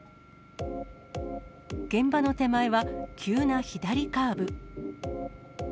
現場の手前は急な左カーブ。